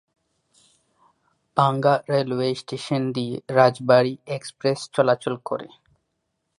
ভাঙ্গা railway station দিয়ে Rajbari express চলাচল করে।